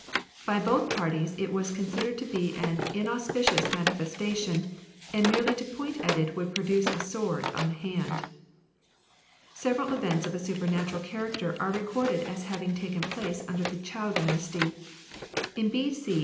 By both parties it was considered to be an inaus picious manifestation, and merely to point at it would produce a sore on the hand. Super Several events of a supernatural ifonffMta c^^^'^^^r ^ re recorded as having taken tions. place imder the Chou dynasty. In B.C.